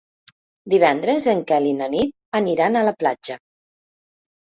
Divendres en Quel i na Nit aniran a la platja.